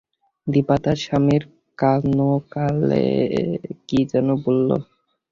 দিপা তার স্বামীর কানো-কানে কী যেন বলল!